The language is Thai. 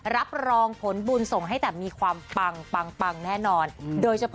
แต่พวกเราจะมาร่วมกันสร้างทำให้โบสถ์หลังนี้เสร็จนะฮะ